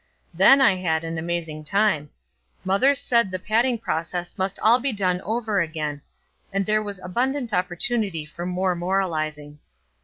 Then I had an amazing time. Mother said the patting process must all be done over again; and there was abundant opportunity for more moralizing.